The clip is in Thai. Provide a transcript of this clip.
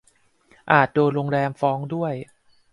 อาจโดนโรงแรมฟ้องด้วย